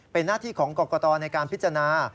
เป็นหน้าที่ของกรกตในการพิจารณา